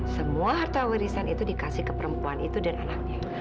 semua harta warisan itu dikasih ke perempuan itu dan anaknya